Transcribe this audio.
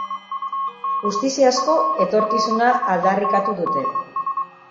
Justiziazko etorkizuna aldarrikatu dute.